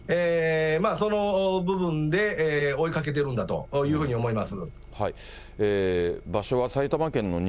その部分で追いかけてるんだというふうに思います。